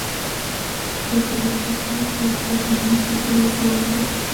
د ژبې خدمت په څېړنیزو پروژو دی.